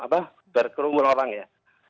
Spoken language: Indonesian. berkerumpul orang ya